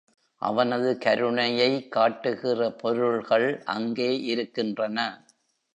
அவனது கருணையை காட்டுகிற பொருள்கள் அங்கே இருக்கின்றன.